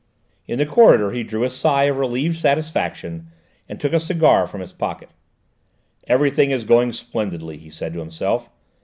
In the corridor he drew a sigh of relieved satisfaction, and took a cigar from his pocket. "Everything is going splendidly," he said to himself.